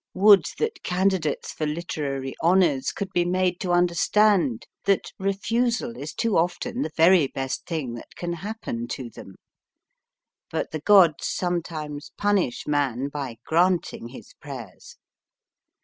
Would that candidates for literary honours could be made to understand that refusal is too often the very best thing that can happen to them ! But the gods sometimes punish man by granting his prayers.